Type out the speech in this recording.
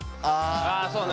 あそうね